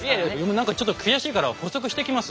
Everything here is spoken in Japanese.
何かちょっと悔しいから歩測してきます。